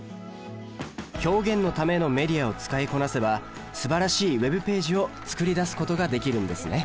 「表現のためのメディア」を使いこなせばすばらしいＷｅｂページを作り出すことができるんですね。